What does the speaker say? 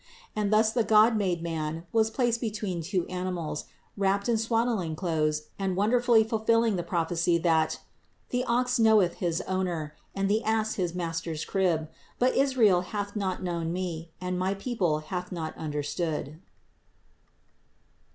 And thus the God made man was placed between two animals, wrapped in swaddling clothes and wonderfully fulfilling the proph ecy, that "the ox knoweth his owner, and the ass his master's crib; but Israel hath not known me, and my people hath not understood."